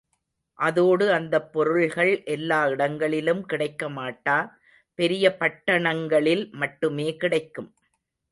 அதோடு அந்தப் பொருள்கள் எல்லா இடங்களிலும் கிடைக்கமாட்டா, பெரிய பட்டணங்களில் மட்டுமே கிடைக்கும்.